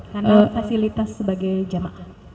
karena fasilitas sebagai jemaah